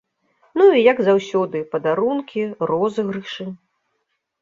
Ну, і як заўсёды, падарункі, розыгрышы.